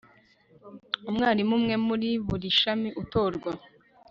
umwarimu umwe muri buri shami utorwa